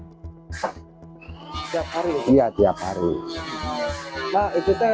melibatkan pt perhutani sebagai penyedia hutan tanaman energi hutan tanaman energi hutan tanaman